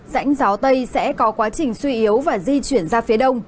rãnh gió tây sẽ có quá trình suy yếu và di chuyển ra phía đông